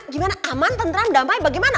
gimana aman tentram damai bagaimana